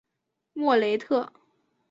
莫雷特。